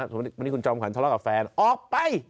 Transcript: สมมติคุณจอมขวัญทะเลาะกับแฟนออกไป